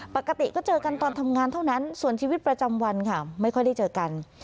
ปกติก็เจอกันตอนทำงานเท่านั้นส่วนชีวิตประจำวันค่ะไม่ค่อยได้เจอกัน